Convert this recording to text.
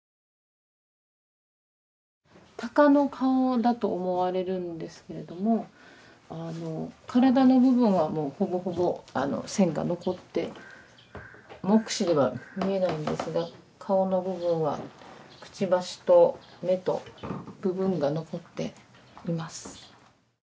タカの顔だと思われるんですけれども体の部分はもうほぼほぼ線が残って目視では見えないんですが顔の部分はくちばしと目と部分が残っています。